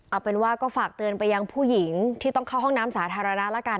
เอาเป็นว่าก็ฝากเตือนไปยังผู้หญิงที่ต้องเข้าห้องน้ำสาธารณะแล้วกัน